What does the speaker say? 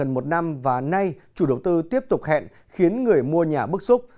gần một năm và nay chủ đầu tư tiếp tục hẹn khiến người mua nhà bức xúc